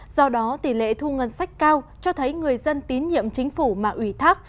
do đó tỷ lệ thu ngân sách cao cho thấy người dân tín nhiệm chính phủ mà ủy thác